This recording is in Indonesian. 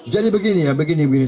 jadi begini ya begini begini